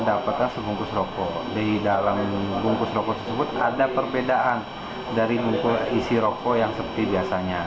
di dalam bungkus rokok tersebut ada perbedaan dari bungkus isi rokok yang seperti biasanya